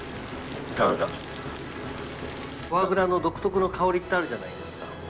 フォアグラの独特の香りってあるじゃないですか。